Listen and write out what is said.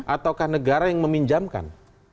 ataukah negara yang meminjamkan